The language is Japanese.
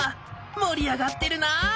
もりあがってるな。